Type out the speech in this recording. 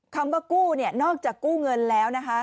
คำว่ากู้นอกจากกู้เงินแล้วนะคะ